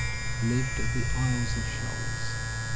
Lived at the Isles of Shoals.